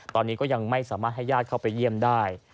ตอนนี้ก็ยังไม่สามารถให้ญาติเข้าไปเยี่ยมได้